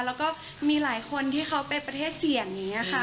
แล้วก็มีหลายคนที่เขาไปประเทศเสี่ยงอย่างนี้ค่ะ